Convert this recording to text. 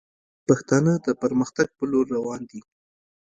پښتانه د پرمختګ پر لور روان دي